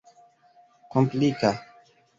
komplika